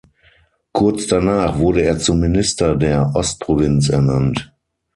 Kurz danach wurde er zum Minister der Ostprovinz ernannt.